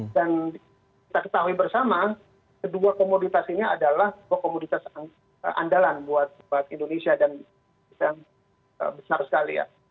dan kita ketahui bersama kedua komoditas ini adalah komoditas andalan buat indonesia dan besar sekali ya